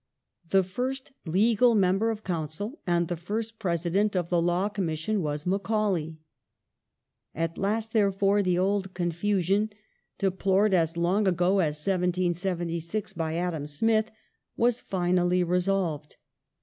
The first legal member of Council and the fiist President of the Law Commission was Macaulay. At last, therefore, the old confusion, deplored as long ago as 1776 by Adam Smith, was finally resolved.